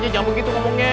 ya jangan begitu ngomongnya